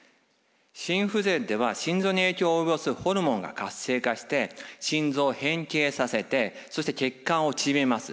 心不全では心臓に影響を及ぼすホルモンが活性化して心臓を変形させてそして血管を縮めます。